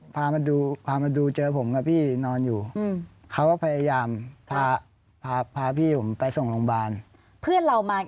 พาพามาดูเจอผมกับพี่นอนอยู่อืมเขาก็พยายามพาพี่ผมไปส่งโรงพยาบาล